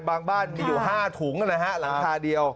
บ้านมีอยู่๕ถุงนะฮะหลังคาเดียว